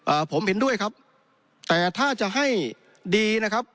ผมเห็นด้วยครับแต่ถ้าจะให้ดีนะครับ